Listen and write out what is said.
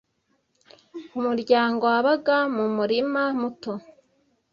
Umuryango wabaga mu murima muto